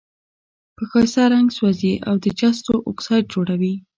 په ښایسته رنګ سوزي او د جستو اکسایډ جوړوي.